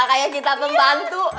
kayak kita pembantu